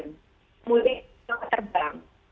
kemudian kita terbang